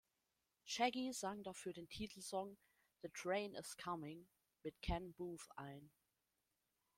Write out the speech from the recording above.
Shaggy sang dafür den Titelsong "The Train Is Coming" mit Ken Boothe ein.